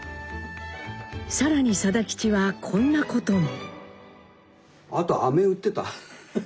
更に定吉はこんなことも。